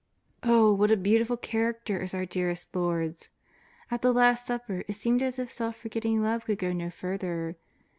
Oh, what a beautiful character is our dearest Lord's ! At the Last Supper it seemed as if self forgetting love could go no further.